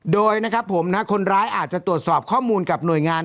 โดยนะครับผมนะคนร้ายอาจจะตรวจสอบข้อมูลกับหน่วยงาน